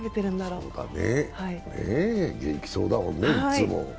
そうだね、元気そうだもんね、いっつも。